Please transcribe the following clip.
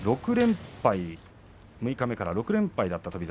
六日目から６連敗があった翔猿。